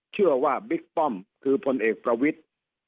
เชื่อว่าบิ๊กป้อมคือพลเอกประวิทธิ์